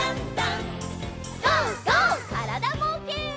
からだぼうけん。